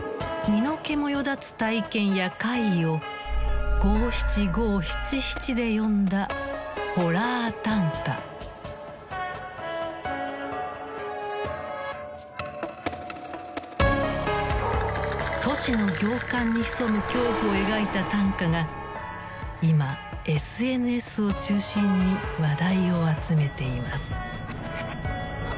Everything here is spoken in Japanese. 身の毛もよだつ体験や怪異を五七五七七で詠んだ都市の行間に潜む恐怖を描いた短歌が今ＳＮＳを中心に話題を集めています。